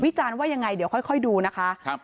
วิจารณ์ว่ายังไงเดี๋ยวค่อยค่อยดูนะคะครับ